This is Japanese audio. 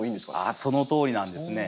あっそのとおりなんですね。